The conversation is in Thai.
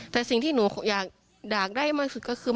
แต่สิ่งที่หนูอยากได้มากสุดก็คือ